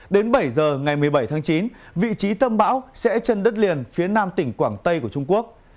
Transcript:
đến bảy giờ ngày một mươi bảy tháng chín vị trí tâm bão sẽ trên đất liền phía nam tỉnh quảng tây của trung quốc